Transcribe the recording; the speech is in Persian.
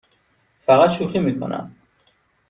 فقط شوخی می کنم.